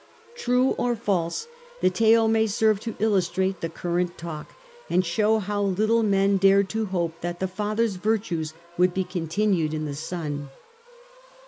True or false, the tale may serve to illustrate the current talk, and show how little men dared to hope that the father's virtues would be continued in the son.